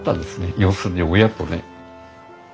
要するに親とね。